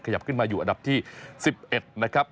ขยับขึ้นมาอยู่อันดับที่๑๑นะครับ